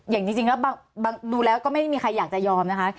อย่างจริงแล้วดูแล้วก็ไม่มีใครอยากจะยอมนะคะ